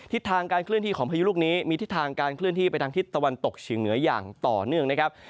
ทิศทางการเคลื่อนที่ของพายุลูกนี้มีทิศทางการเคลื่อนที่ไปทางทิศตะวันตกเฉียงเหนืออย่างต่อเนื่องนะครับ